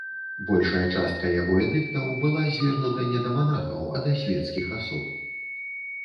Большая частка яго эдыктаў была звернута не да манахаў, а да свецкіх асоб.